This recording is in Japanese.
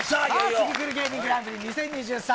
ツギクル芸人グランプリ２０２３。